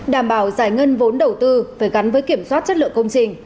đảm bảo giải ngân vốn đầu tư phải gắn với kiểm soát chất lượng công trình